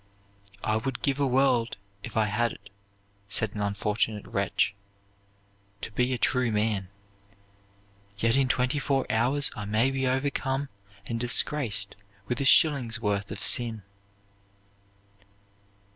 "I would give a world, if I had it," said an unfortunate wretch, "to be a true man; yet in twenty four hours I may be overcome and disgraced with a shilling's worth of sin."